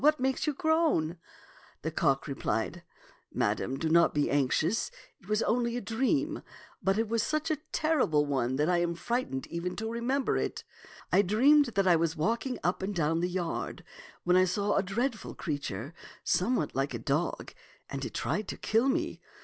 What makes you groan ?" The cock repHed, " Madame, do not be anxious ; it was only a dream, but it was such a terrible one that I am frightened even to remember it. I dreamed that I was walking up and down the yard, when I saw a dreadful creature somewhat like a dog, and it tried to kill me.